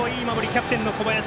キャプテンの小林！